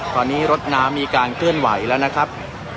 ตอนนี้รถน้ำมีการเคลื่อนไหวแล้วนะครับ